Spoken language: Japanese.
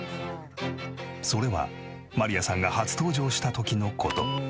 それはマリアさんが初登場した時の事。